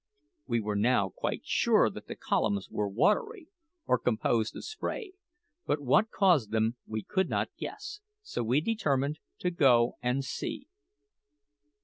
We were now quite sure that the columns were watery, or composed of spray; but what caused them we could not guess, so we determined to go and see.